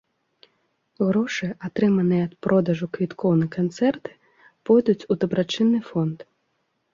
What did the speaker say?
Грошы, атрыманыя ад продажу квіткоў на канцэрты, пойдуць у дабрачынны фонд.